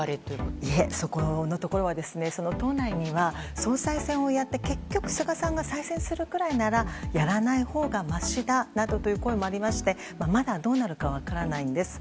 いえ、そこは党内には総裁選をやって結局、菅さんが再選するぐらいならやらないほうがましだなどという声もありましてまだどうなるか分からないんです。